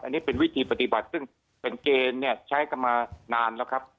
อันนี้เป็นวิธีปฏิบัติซึ่งเป็นเกณฑ์เนี่ยใช้กันมานานแล้วครับ